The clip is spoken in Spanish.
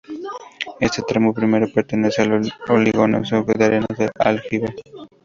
Este tramo primero pertenece al oligoceno con arenas del Aljibe.